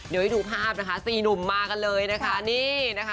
เดี๋ยวให้ดูภาพสี่หนุ่มมากันเลยนะคะ